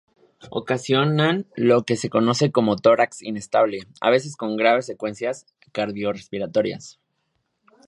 Ocasionan lo que se conoce como tórax inestable, a veces con graves consecuencias cardio-respiratorias.